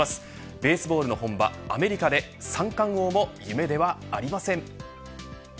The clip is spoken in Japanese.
ベースボールの本場アメリカで三冠王も夢ではありません。